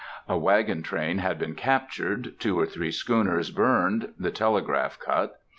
A wagon train had been captured, two or three schooners burned, the telegraph cut.